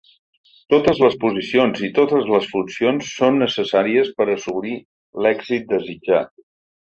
Totes les posicions i totes les funcions són necessàries per assolir l’èxit desitjat.